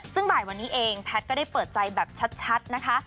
ซึ่งบ่ายวันนี้เองแพทย์ก็ได้เปิดใจแบบชัดนะคะ